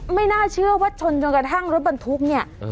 ไม่น่าเชื่อว่าชนกับทางรถบันทุกข์เนี่ย